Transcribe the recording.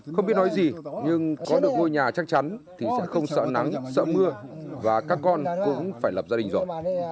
không biết nói gì nhưng có được ngôi nhà chắc chắn thì sẽ không sợ nắng sợ mưa và các con cũng phải lập gia đình rồi